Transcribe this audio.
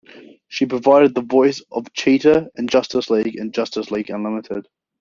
She provided the voice of Cheetah in "Justice League" and "Justice League Unlimited".